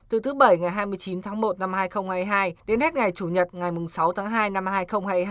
từ thứ bảy ngày hai mươi chín tháng một năm hai nghìn hai mươi hai đến hết ngày chủ nhật ngày sáu tháng hai năm hai nghìn hai mươi hai